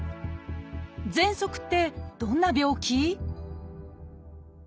「ぜんそく」ってどんな病気？